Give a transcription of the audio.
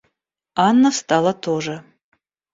Анна встала тоже.